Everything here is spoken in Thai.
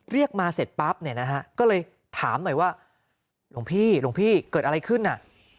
เรียกมาเสร็จปั๊บเนี่ยนะฮะก็เลยถามหน่อยว่าหลวงพี่หลวงพี่เกิดอะไรขึ้นน่ะ